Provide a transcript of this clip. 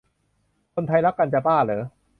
คนไทยรักกัน จะบ้าหรอ